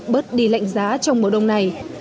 các em phần nào bớt đi lệnh giá trong mùa đông này